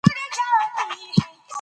ځنګلي خوګ 🐗